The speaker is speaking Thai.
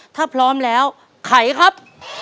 ถ้าพร้อมแล้วไขครับ